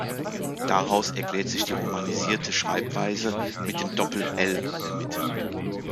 Daraus erklärt sich die romanisierte Schreibweise mit dem Doppel-„l“ in der Mitte.